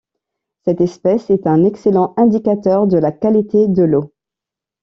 Cette espèce est un excellent indicateur de la qualité de l'eau.